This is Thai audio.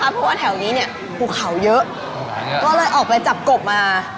เพราะว่าแถวนี้เนี่ยภูเขาเยอะก็เลยออกไปจับกบมา